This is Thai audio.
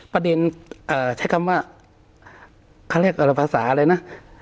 ประเด็นใช้คำว่าเขาเรียกอัลภาษาอะไรนะ